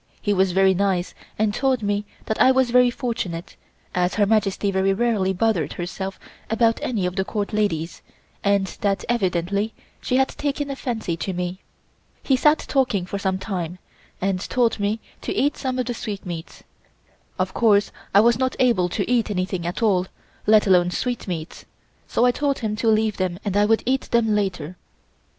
He was very nice, and told me that I was very fortunate, as Her Majesty very rarely bothered herself about any of the Court ladies and that evidently she had taken a fancy to me. He sat talking for some little time, and told me to eat some of the sweetmeats. Of course I was not able to eat anything at all, let alone sweetmeats, so I told him to leave them and I would eat them later.